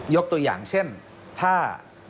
ยกตัวอย่างเช่นผ้า